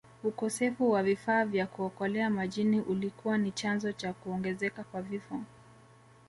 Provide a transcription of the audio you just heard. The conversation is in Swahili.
Ukosefu wa vifaa vya kuokolea majini ulikuwa ni chanzo cha kuongezeka kwa vifo